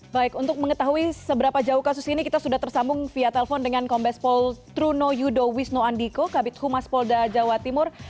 baik untuk mengetahui seberapa jauh kasus ini kita sudah tersambung via telepon dengan kombes pol truno yudo wisno andiko kabit humas polda jawa timur